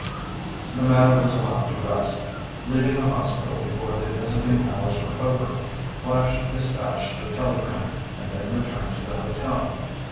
The matter was allowed to rest. Leaving the hospital before the visiting hours were over, Flash dispatched the telegram, and then returned to the hotel.